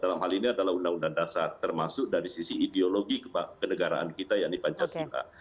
dalam hal ini adalah undang undang dasar termasuk dari sisi ideologi ke negaraan kita yang di pancasila